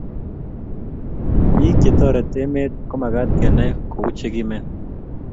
pik chetoret emet komakat kenai kuu chekimen